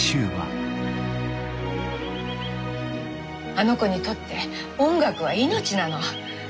あの子にとって音楽は命なの。